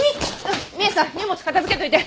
実枝さん荷物片付けといて。